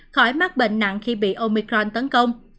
khỏi mắc bệnh nặng khi bị omicron tấn công